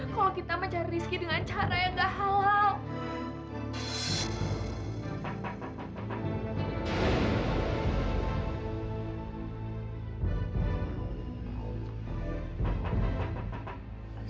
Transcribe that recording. kalau kita mencari rezeki dengan cara yang tidak halal